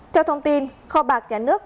theo thông tin kho bạc nhà nước